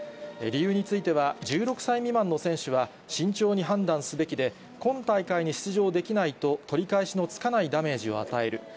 理由については、１６歳未満の選手は、慎重に判断すべきで、今大会に出場できないと、取り返しのつかないダメージを与える。